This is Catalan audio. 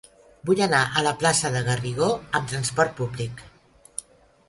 Vull anar a la plaça de Garrigó amb trasport públic.